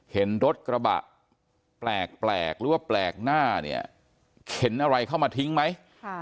เห็นรถกระบะแปลกหรือว่าแปลกหน้าเนี่ยเข็นอะไรเข้ามาทิ้งไหม